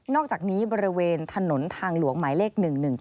อกจากนี้บริเวณถนนทางหลวงหมายเลข๑๑๙